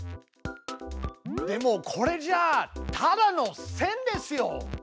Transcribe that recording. でもこれじゃただの線ですよ！